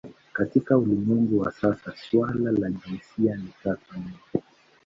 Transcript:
Katika ulimwengu wa sasa suala la jinsia ni tata mno.